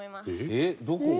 えっどこが？